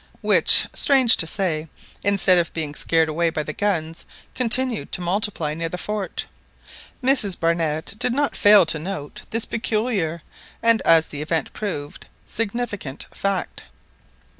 which, strange to say, instead of being scared away by the guns, continued to multiply near the fort. Mrs Barnett did not fail to note this peculiar, and, as the event proved, significant fact.